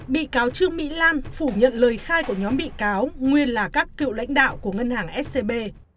bị cáo trương mỹ lan phủ nhận lời khai của nhóm bị cáo nguyên là các cựu lãnh đạo của ngân hàng scb